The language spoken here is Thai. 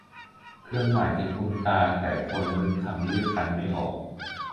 เครื่องหมายที่คุ้นตาแต่คนนึกคำเรียกกันไม่ออก